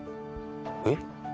えっ？